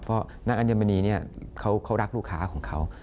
เพราะนางอัญมณีเนี่ยเขารักลูกค้าของเขา